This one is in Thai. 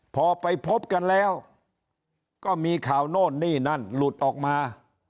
พอไปพบกันแล้วก็มีข่าวโน่นนี่นั่นหลุดออกมา